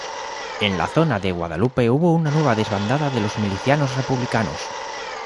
En la zona de Guadalupe hubo una nueva desbandada de los milicianos republicanos.